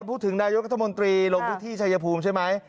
พูดถึงนายกรัฐมนตรีลงพื้นที่ชายภูมิใช่ไหม